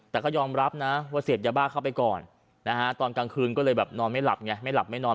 แต่ก็ยอมรับนะว่าเสพยาบ้าเข้าไปก่อนนะฮะตอนกลางคืนก็เลยแบบนอนไม่หลับไงไม่หลับไม่นอน